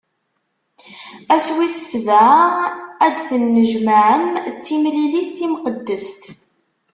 Ass wis sebɛa ad d-tennejmaɛem, d timlilit timqeddest.